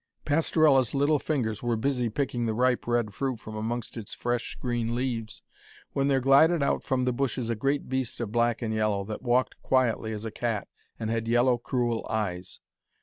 Pastorella's little fingers were busy picking the ripe red fruit from amongst its fresh green leaves, when there glided from out the bushes a great beast of black and yellow, that walked quietly as a cat and had yellow, cruel eyes.